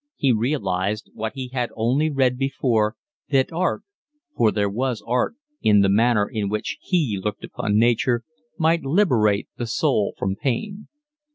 He realised, what he had only read before, that art (for there was art in the manner in which he looked upon nature) might liberate the soul from pain.